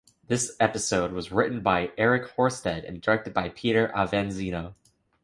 This episode was written by Eric Horsted and directed by Peter Avanzino.